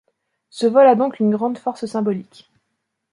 Ce vol a donc une grande force symbolique.